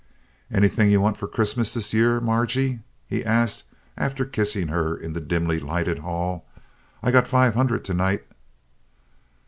"Anything you want for Christmas this year, Margy?" he asked, after kissing her in the dimly lighted hall. "I got five hundred to night."